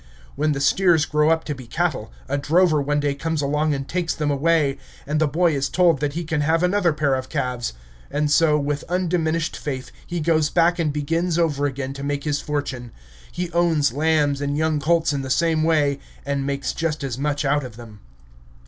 When the steers grow up to be cattle, a drover one day comes along and takes them away, and the boy is told that he can have another pair of calves; and so, with undiminished faith, he goes back and begins over again to make his fortune. He owns lambs and young colts in the same way, and makes just as much out of them.